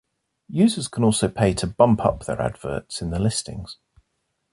Users can also pay to "bump up" their adverts in the listings.